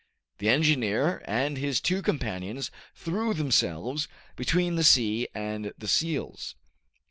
The engineer and his two companions threw themselves between the sea and the seals.